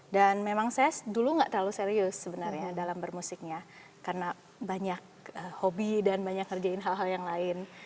dan memang saya dulu tidak terlalu serius sebenarnya dalam bermusiknya karena banyak hobi dan banyak ngerjain hal hal yang lain